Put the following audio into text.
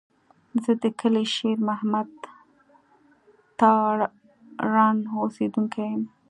زه د کلي شېر محمد تارڼ اوسېدونکی یم.